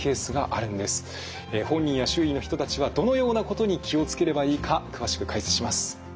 本人や周囲の人たちはどのようなことに気を付ければいいか詳しく解説します。